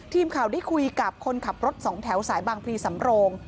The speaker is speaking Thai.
ทีมข่าวได้คุยกับคนขับรถสองแถวสายบางพลีสำโรง